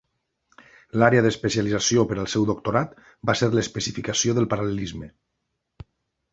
L'àrea d'especialització per al seu doctorat va ser l'especificació del paral·lelisme.